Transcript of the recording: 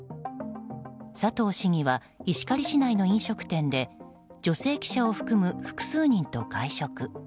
佐藤市議は石狩市内の飲食店で女性記者を含む複数人と会食。